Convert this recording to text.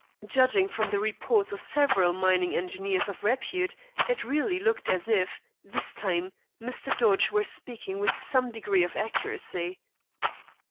Judging from the reports of several mining engineers of repute it really looked as if, this time, Mr. Dodge were speaking with some degree of accuracy.